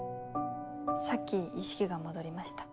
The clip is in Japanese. さっき意識が戻りました。